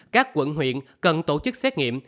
các quận huyện cần tổ chức xét nghiệm